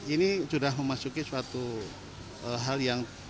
ini sudah memasuki suatu hal yang